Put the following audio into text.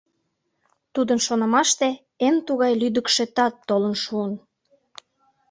Тудын шонымаште, эн тугай лӱдыкшӧ тат толын шуын.